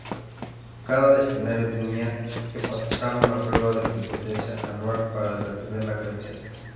Cada destinatario tenía que pasar una prueba de competencia anual para retener la credencial.